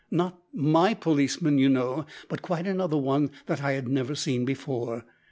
Not my policeman, you know, but quite another one that I had never seen before!